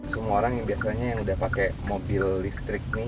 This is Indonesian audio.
semua orang yang biasanya yang udah pakai mobil listrik nih